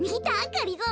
がりぞー。